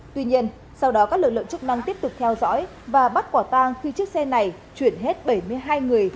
tuy nhiên sau đó các lực lượng chức năng tiếp tục theo dõi và bắt quả tang khi chiếc xe này chuyển hết bảy mươi hai người